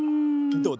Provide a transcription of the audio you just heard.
どうだ？